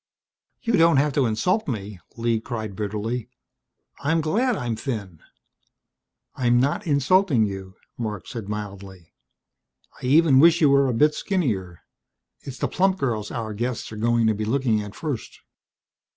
"You don't have to insult me!" Lee cried bitterly. "I'm glad I'm thin!" "I'm not insulting you," Marc said mildly. "I even wish you were a bit skinnier. It's the plump girls our guests are going to be looking at first.